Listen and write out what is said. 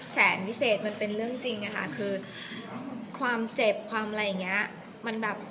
แสนวิเศษมันเป็นเรื่องจริงอะค่ะคือความเจ็บความอะไรอย่างเงี้ยมันแบบ